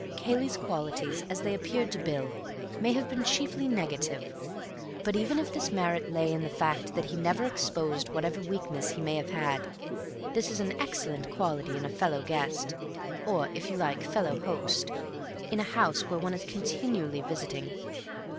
Cayley's qualities, as they appeared to Bill, may have been chiefly negative; but even if this merit lay in the fact that he never exposed whatever weaknesses he may have had, this is an excellent quality in a fellow guest (or, if you like, fellow host) in a house where one is continually visiting.